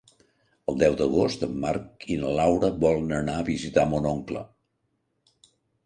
El deu d'agost en Marc i na Laura volen anar a visitar mon oncle.